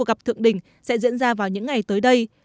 các cuộc gặp thượng đỉnh sẽ diễn ra vào những ngày tới đây